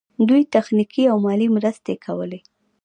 دوی تخنیکي او مالي مرستې کولې.